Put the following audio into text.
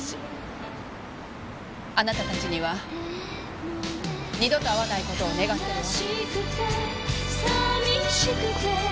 あなたたちには二度と会わない事を願ってるわ。